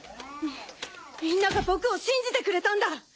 みみんなが僕を信じてくれたんだ。